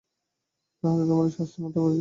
তাহাতে তোমারই শাস্তির মাত্রা বাড়িবে।